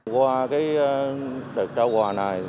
qua đợt trao quà này